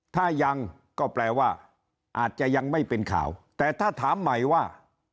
ถ้ายังก็แปลว่าอาจจะยังไม่เป็นข่าวแต่ถ้าถามใหม่ว่า